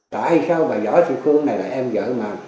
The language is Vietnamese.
tại sao bà vợ chị phương này là em vợ mà